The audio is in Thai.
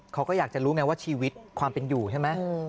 เขาก็อยากจะรู้ไงว่าชีวิตความเป็นอยู่ใช่ไหม